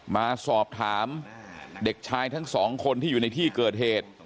มาสอบถามเด็กชายทั้งสองคนที่อยู่ในที่เกิดเหตุ